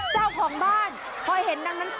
เจ้าของบ้านพอเห็นดังนั้น